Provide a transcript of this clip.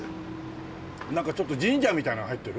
なんかちょっとジンジャーみたいなの入ってる？